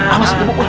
awas buk buk buk